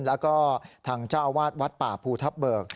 แล้วก็ทางเจ้าอาวาสวัดป่าภูทับเบิก